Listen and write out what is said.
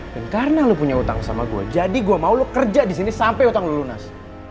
dan karena lo punya utang sama gue jadi gue mau lo kerja disini sampe utang lo lunas